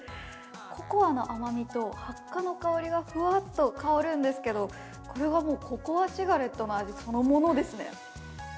ココアの甘みとハッカの香りがふわっと香るんですけど、これはもうココアシガレットの味そのものですね。